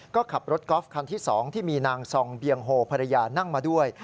ก็ขับรถกอล์ฟคันที่๒ที่มีนางซองเบียงโฮภรรยานั่งมาด้วย